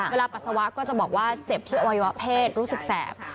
ปัสสาวะก็จะบอกว่าเจ็บที่อวัยวะเพศรู้สึกแสบ